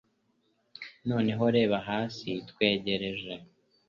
Noneho reba hasi twegereje